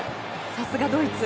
さすがドイツ。